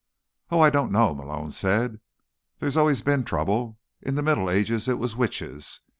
"Oh, I don't know," Malone said. "There's always been trouble. In the Middle Ages, it was witches.